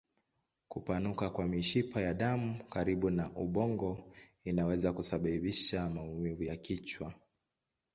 Kupanuka kwa mishipa ya damu karibu na ubongo inaweza kusababisha maumivu ya kichwa.